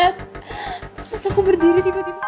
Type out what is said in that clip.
terus pas aku berdiri